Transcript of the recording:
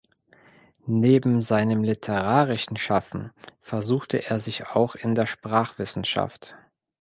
Neben seinem literarischen Schaffen versuchte er sich auch in der Sprachwissenschaft.